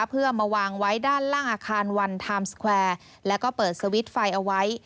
เพื่อมาวางไว้ด้านล่างอาคารวันไทม์สแควร์แล้วก็เปิดสวิตช์ไฟเอาไว้